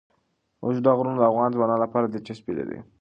اوږده غرونه د افغان ځوانانو لپاره دلچسپي لري.